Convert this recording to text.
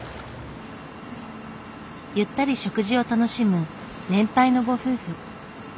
ゆったり食事を楽しむ年配のご夫婦。